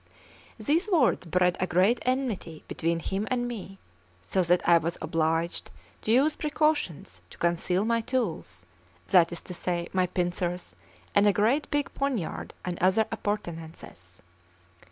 These words bred a great enmity between him and me, so that I was obliged to use precautions to conceal my tools, that is to say, my pincers and a great big poniard and other appurtenances.